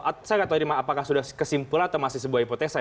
saya nggak tahu ini apakah sudah kesimpulan atau masih sebuah hipotesa